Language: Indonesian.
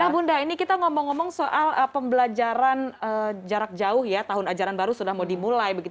nah bunda ini kita ngomong ngomong soal pembelajaran jarak jauh ya tahun ajaran baru sudah mau dimulai